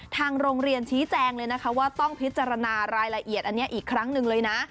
ทางโรงเรียนชี้แจงเลยนะคะว่าต้องพิจารณารายละเอียดอันนี้อีกครั้งหนึ่งเลยนะ